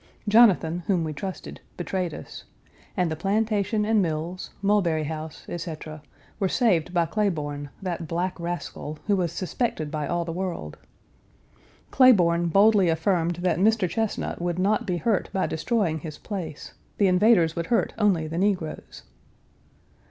Jonathan, whom we trusted, betrayed us; and the plantation and mills, Mulberry house, etc., were saved by Claiborne, that black rascal, who was suspected by all the world. Claiborne boldly affirmed that Mr. Chesnut would not be hurt by destroying his place; the invaders would hurt only the negroes.